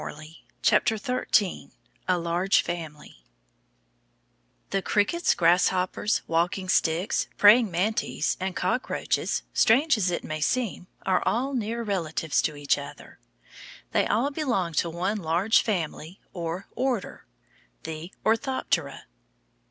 A LARGE FAMILY The crickets, grasshoppers, walking sticks, praying mantes, and cockroaches, strange as it may seem, are all near relatives to each other. They all belong to one large family or order, the ORTHOPTERA.